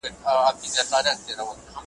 خوار په هندوستان هم خوار وي ,